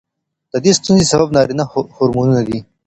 د دې ستونزې سبب نارینه هورمونونه دي.